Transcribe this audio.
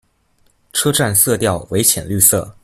车站色调为浅绿色。